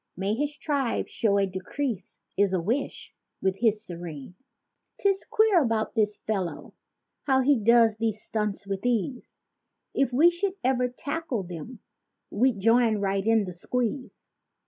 May his tribe show a decrease is a wish, with us serene. 'Tis queer about this fellow—how he does these stunts with ease— If we should ever tackle them we'd join right in the squeeze.